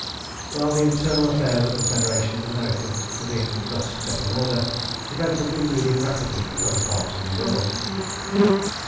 While the internal affairs of the Federation in America were being thus set in order, events had been moving rapidly in other parts of the world.